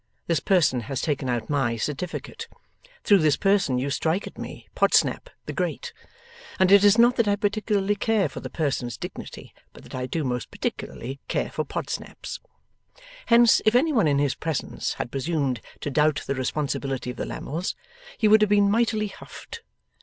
This person has taken out MY certificate. Through this person you strike at me, Podsnap the Great. And it is not that I particularly care for the person's dignity, but that I do most particularly care for Podsnap's.' Hence, if any one in his presence had presumed to doubt the responsibility of the Lammles, he would have been mightily huffed.